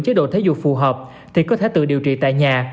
chế độ thể dục phù hợp thì có thể tự điều trị tại nhà